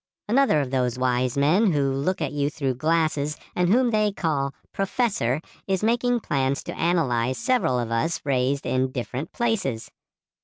Another of those wise men who look at you through glasses and whom they call "professor" is making plans to analyze several of us raised in different places.